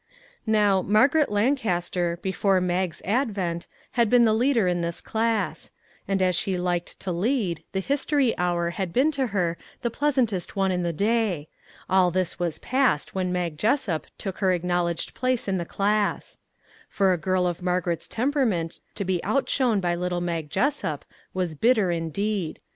Now, Margaret Lancaster, before Mag's advent, had been the leader in this class; and as she liked to lead, the history hour had been to her the pleasantest one in the day. All this was past when Mag Jessup took her acknowledged place in the class. For a girl of Margaret's temperament to be outshone by little Mag Jessup was bitter indeed.